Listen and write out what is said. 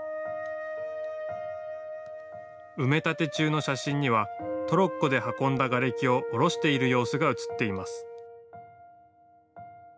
埋め立て中の写真にはトロッコで運んだがれきを降ろしている様子が写っています。